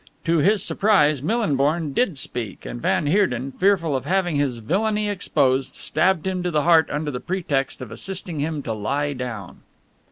To his surprise Millinborn did speak and van Heerden, fearful of having his villainy exposed, stabbed him to the heart under the pretext of assisting him to lie down.